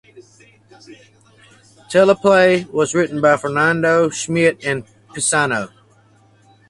Teleplay was written by Fernando Schmidt and Pisano.